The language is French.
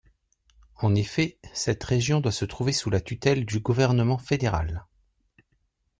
En effet, cette région doit se trouver sous la tutelle du gouvernement fédéral.